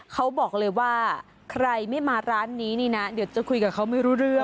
เขาบอกเลยว่าใครไม่มาร้านนี้นี่นะเดี๋ยวจะคุยกับเขาไม่รู้เรื่อง